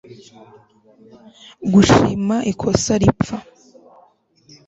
gushima ikosa ripfa